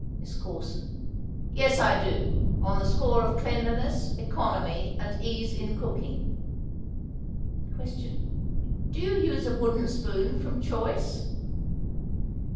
MISS CORSON. Yes, I do, on the score of cleanliness, economy and ease in cooking. Question. Do you use a wooden spoon from choice?